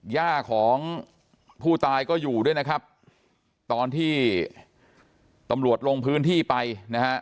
ย่าของผู้ตายก็อยู่ด้วยนะครับตอนที่ตำรวจลงพื้นที่ไปนะฮะ